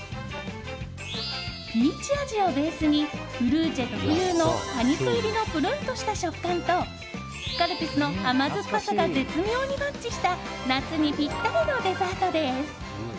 ピーチ味をベースにフルーチェ特有の果肉入りのプルンとした食感とカルピスの甘酸っぱさが絶妙にマッチした夏にぴったりのデザートです。